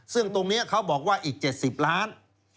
ซึ่งตรงนี้เขาบอกว่าอีก๗๐ล้าน